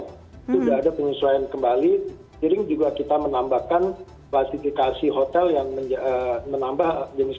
sudah ada penyesuaian kembali sering juga kita menambahkan klasifikasi hotel yang menambah jenis